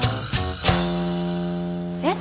えっ？